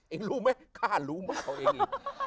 อิงรู้มั้ยกล้าลูมเขาเองอีก